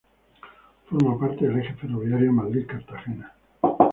Forma parte del eje ferroviario Madrid-Cartagena.